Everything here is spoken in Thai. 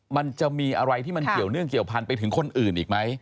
มันจะมีอะไรที่มันเกี่ยวเนื่องเกี่ยวพันไปถึงคนอื่นอีกไหม